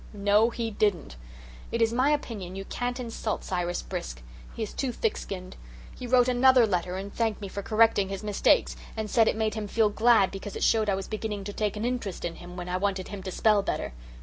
"No, he didn't. It is my opinion you can't insult Cyrus Brisk. He is too thick skinned. He wrote another letter, and thanked me for correcting his mistakes, and said it made him feel glad because it showed I was beginning to take an interest in him when I wanted him to spell better.